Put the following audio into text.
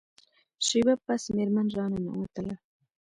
شیبه پس میرمن را ننوتله.